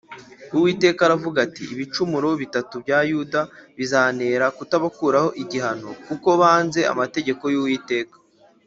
Uwiteka aravuga ati “Ibicumuro bitatu bya Yuda bizantera kutabakuraho igihano kuko banze amategeko y’Uwiteka